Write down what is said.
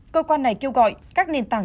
cơ quan này kêu gọi các nền tảng